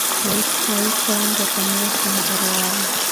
Allí fueron retenidos e interrogados.